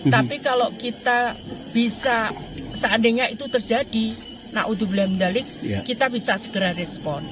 tapi kalau kita bisa seandainya itu terjadi kita bisa segera respon